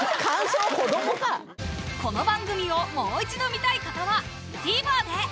この番組をもう一度観たい方はＴＶｅｒで！